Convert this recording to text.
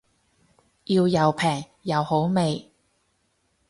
要又平又好味